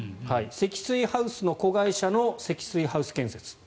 積水ハウスの子会社の積水ハウス建設。